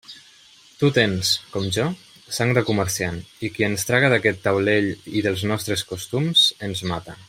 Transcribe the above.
Tu tens, com jo, sang de comerciant, i qui ens traga d'aquest taulell i dels nostres costums, ens mata.